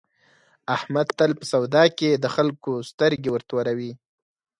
احمد تل په سودا کې د خلکو سترګې ورتوروي.